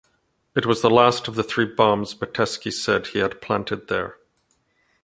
It was the last of the three bombs Metesky said he had planted there.